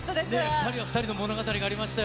２人は２人の物語がありまし